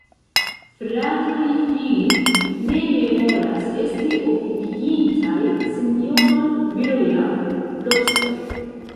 Fratoj Philip ne memoras, esti okupigintaj S-ron Villiam Lobster.